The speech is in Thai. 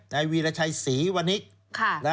ไนวีรชัยศรีวณิกษ์